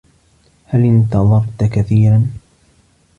هل انتظرت كثيرا؟